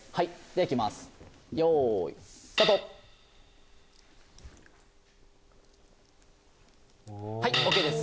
はいＯＫです！